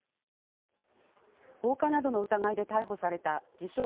放火などの疑いで逮捕された、自称